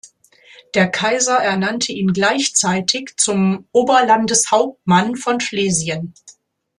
Der Kaiser ernannte ihn gleichzeitig zum Oberlandeshauptmann von Schlesien.